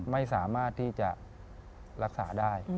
ไม่สามารถที่จะรักษาได้